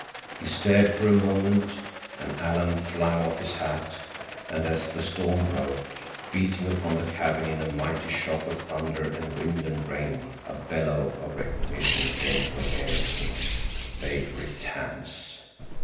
He stared for a moment, and Alan flung off his hat, and as the storm broke, beating upon the cabin in a mighty shock of thunder and wind and rain, a bellow of recognition came from Ericksen. They gripped hands.